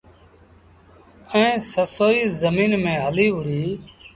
ائيٚݩ سسئيٚ زميݩ ميݩ هليٚ وُهڙيٚ۔